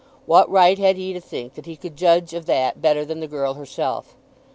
What right had he to think that he could judge of that better than the girl herself?